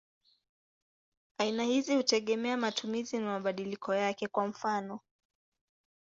Aina hizi hutegemea matumizi na mabadiliko yake; kwa mfano.